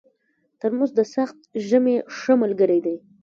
ترموز د سخت ژمي ښه ملګری دی.